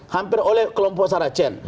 hampir oleh kelompok saracen